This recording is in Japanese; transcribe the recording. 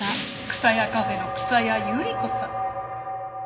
草谷カフェの草谷ゆり子さん。